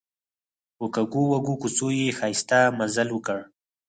په کږو وږو کوڅو یې ښایسته مزل وکړ.